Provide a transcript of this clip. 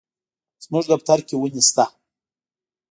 زموږ دفتر کي وني شته.